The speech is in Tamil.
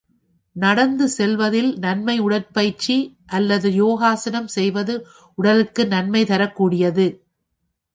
நடந்து செல்வதில் நன்மை உடற்பயிற்சி அல்லது யோகாசனம் செய்வது உடலுக்கு நன்மை தரக் கூடியது.